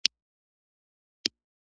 له انسانیته خلاص یې .